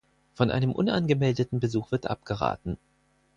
Von einem unangemeldeten Besuch wird abgeraten.